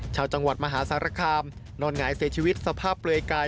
ชาวจังหวัดมหาสารคามนอนหงายเสียชีวิตสภาพเปลือยกาย